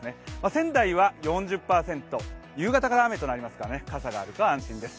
仙台は４０％、夕方から雨となりますので傘があると安心です。